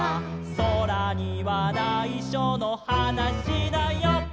「そらにはないしょのはなしだよ」